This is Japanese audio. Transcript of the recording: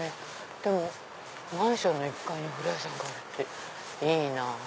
でもマンションの１階にお風呂屋さんがあるいいなぁ。